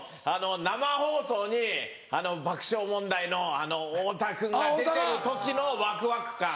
生放送に爆笑問題の太田君が出てる時のワクワク感。